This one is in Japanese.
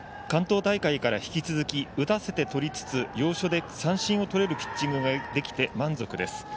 関東大会から引き続き打たせてとりつつ要所で三振をとれるピッチングができて満足です。